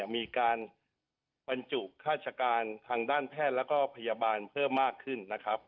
มีการบรรจุฆาตการทางด้านแพทย์แล้วก็พยาบาลเพิ่มมากขึ้นนะครับ